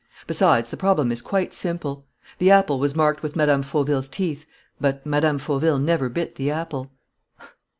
Besides, the problem is quite simple. The apple was marked with Mme. Fauville's teeth, but Mme. Fauville never bit the apple."